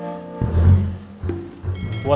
aduh bang bos